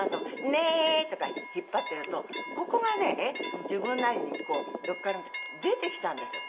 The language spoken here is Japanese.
「ねー」とか引っ張っているとここがねえ自分なりに横から見たら出てきたんですよ